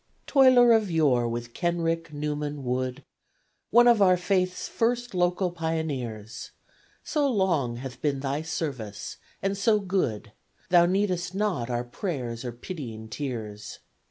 Toiler of yore with Kenrick, Neuman, Wood, One of our Faith's first local pioneers! So long hath been thy service, and so good, Thou needest not our prayers or pitying tears!